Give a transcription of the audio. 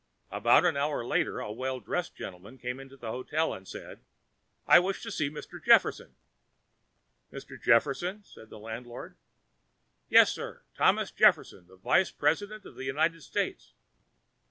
About an hour later, a well dressed gentleman came into the hotel and said, "I wish to see Mr. Jefferson." "Mr. Jefferson!" said the landlord. "Yes, sir. Thomas Jefferson, the vice president of the United States."